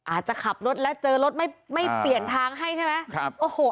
อาจจะขับรถแล้วเจอรถไม่เปลี่ยนทางให้ใช่ไหม